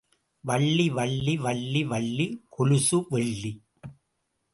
வள்ளி, வள்ளி, வள்ளி வள்ளி கொலுசு வெள்ளி.